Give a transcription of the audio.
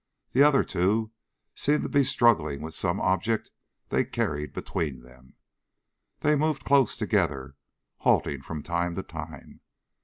The other two seemed to be struggling with some object they carried between them. They moved close together, halting from time to time.